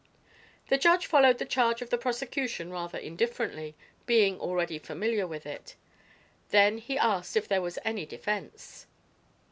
The judge followed the charge of the prosecution rather indifferently, being already familiar with it. Then he asked if there was any defense.